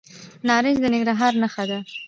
نارنج د ننګرهار نښه ده.